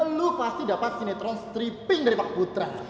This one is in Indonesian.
lu pasti dapat sinetron stripping dari pak putra